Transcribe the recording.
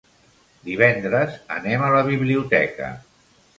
Divendres anem a la biblioteca.